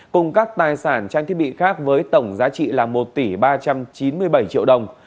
cùng các tài sản trang thiết bị khác với tổng giá trị là một tỷ ba trăm chín mươi bảy triệu đồng